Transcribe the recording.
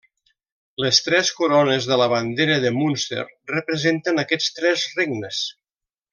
Les tres corones de la bandera de Munster representen aquests tres regnes.